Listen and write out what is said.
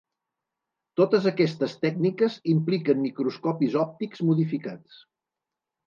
Totes aquestes tècniques impliquen microscopis òptics modificats.